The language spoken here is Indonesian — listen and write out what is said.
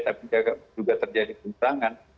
tapi juga terjadi penurunan